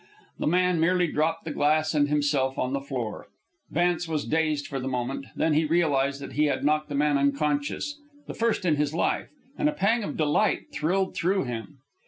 The man merely dropped the glass and himself on the floor. Vance was dazed for the moment, then he realized that he had knocked the man unconscious, the first in his life, and a pang of delight thrilled through him.